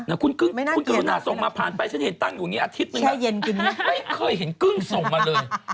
แต่คุณกึ้งคุณเกอร์น่าส่งมาผ่านไปฉันเห็นตั้งอยู่นี้อาทิตย์นึงไม่เคยเห็นกึ้งส่งมาเลย